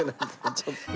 ちょっと。